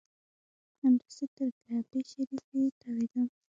همداسې تر کعبې شریفې تاوېدم.